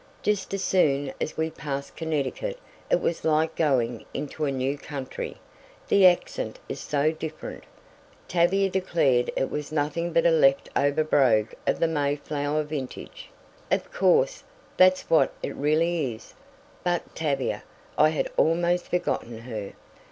Just as soon as we passed Connecticut it was like going into a new country, the accent is so different. Tavia declared it was nothing but a left over brogue of the Mayflower vintage. Of course, that's what it really is. But Tavia! I had almost forgotten her.